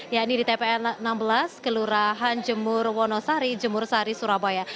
ya ini di tps enam belas kelurahan jemur wonosari jemur sari surabaya